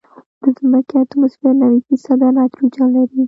د ځمکې اتموسفیر نوي فیصده نایټروجن لري.